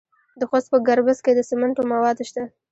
د خوست په ګربز کې د سمنټو مواد شته.